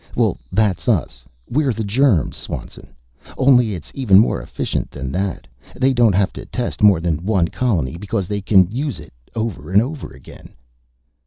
Well, that's us we're the germs, Swanson. Only it's even more efficient than that. They don't have to test more than one colony, because they can use it over and over again."